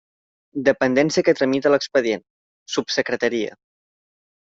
Dependència que tramita l'expedient: subsecretaria.